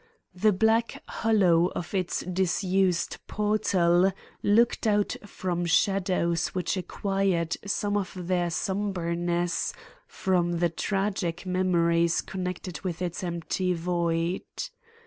The black hollow of its disused portal looked out from shadows which acquired some of their somberness from the tragic memories connected with its empty void.